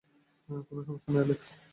কোন সমস্যা নেই, অ্যালেক্স।